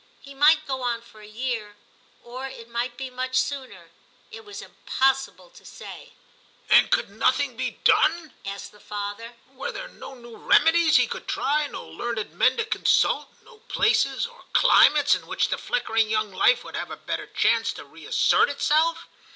He might go on for a year, or it might be much sooner; it was impossible to say. * And could nothing be done }' asked the father. 'Were there no new remedies he could try, no learned men to consult, no places or climates in which the flickering young life would have a better chance to reassert itself